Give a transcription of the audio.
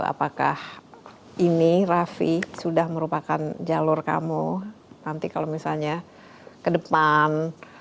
apakah ini raffi sudah merupakan jalur kamu nanti kalau misalnya ke depan